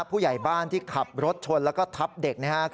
ผู้ใหญ่บ้านที่ขับรถชนแล้วก็ทับเด็กนะครับ